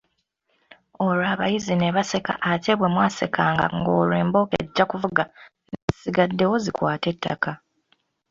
Olwo abayizi ne baseka ate bwe mwasekanga ng'olwo embooko ejja kuvuga n'ezisigaddewo zikwate ettaka.